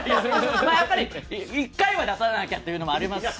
やっぱり１回は出さなきゃってのもありますし